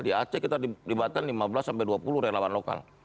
di aceh kita libatkan lima belas dua puluh relawan lokal